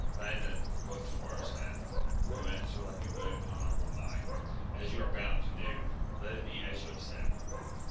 Landin, quoth Florestan, you answer like a good and honourable knight, as you are bound to do ; let it be as you have said.